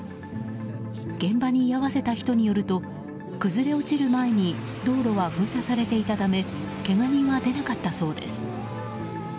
現場に居合わせた人によると崩れ落ちる前に道路は封鎖されていたためけが人は出なかったそうです。